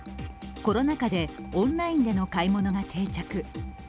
コロナ禍でオンラインでの買い物が定着。